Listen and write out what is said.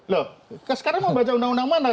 loh sekarang mau baca undang undang mana